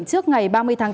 trước ngày ba mươi tháng tám